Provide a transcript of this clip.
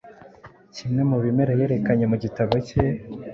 kimwe mu bimera yerekanye mu gitabo cye